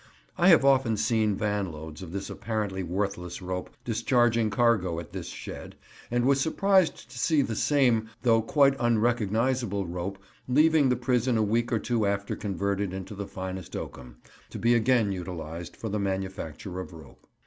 I have often seen van loads of this apparently worthless rope discharging cargo at this shed, and was surprised to see the same though quite unrecognisable rope leaving the prison a week or two after converted into the finest oakum, to be again utilized for the manufacture of rope.